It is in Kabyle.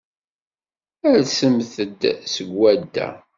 Alsemt-d seg swadda.